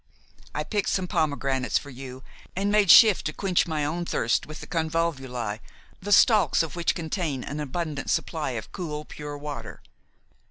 I picked some pomegranates for you and made shift to quench my own thirst with the convolvuli, the stalks of which contain an abundant supply of cool, pure water.